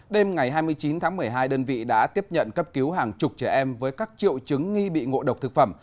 đêm ngày hai mươi chín tháng một mươi hai đơn vị đã tiếp nhận cấp cứu hàng chục trẻ em với các triệu chứng nghi bị ngộ độc thực phẩm